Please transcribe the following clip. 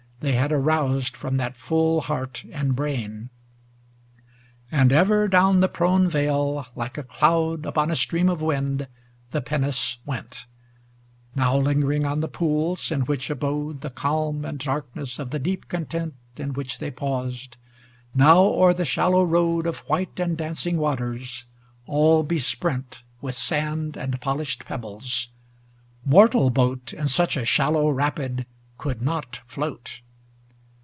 They had aroused from that full heart and brain. XLI And ever down the prone vale, like a cloud Upon a stream of wind, the pinnace went; Now lingering on the pools, in which abode The calm and darkness of the deep con tent In which they paused; now o'er the shallow road Of white and dancing waters, all besprent With sand and polished pebbles: mortal boat In such a shallow rapid could not float.